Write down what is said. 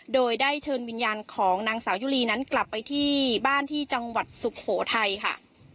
โดยได้เชิญวิญญาณของนางสาวยุรีนั้นกลับไปที่บ้านที่จังหวัดสุโขทัยค่ะ